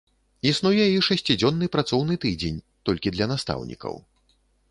Існуе і шасцідзённы працоўны тыдзень, толькі для настаўнікаў.